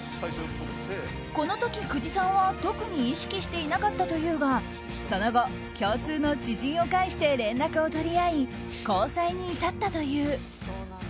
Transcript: この時、久慈さんは特に意識していなかったというがその後、共通の知人を介して連絡を取り合い交際に至ったという。